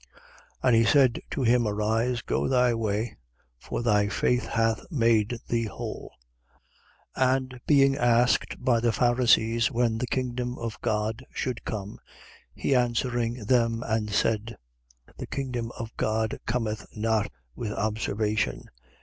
17:19. And he said to him: Arise, go thy way; for thy faith hath made thee whole. 17:20. And being asked by the Pharisees when the kingdom of God should come, he answering them and said: The kingdom of God cometh not with observation.